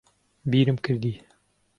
بیرم کردی